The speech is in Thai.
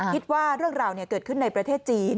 คิดว่าเรื่องราวเกิดขึ้นในประเทศจีน